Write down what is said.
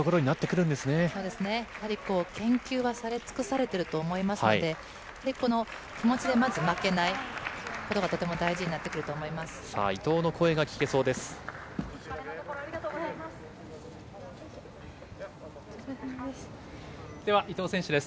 そうですね、やはり研究はされ尽くされてると思いますので、この気持ちでまず負けないことがとても大事になってくると思いま伊藤の声が聞けそうです。